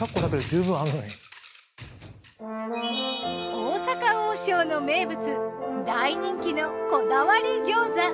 大阪王将の名物大人気のこだわり餃子。